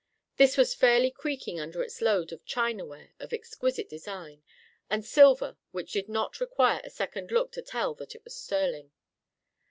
This was fairly creaking under its load of chinaware of exquisite design, and silver which did not require a second look to tell that it was sterling.